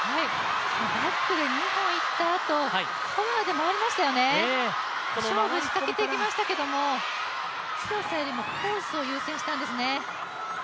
バックで２本いったあと、フォアで勝負をしかけていきましたけれども、強さよりもコースを優先したんですね。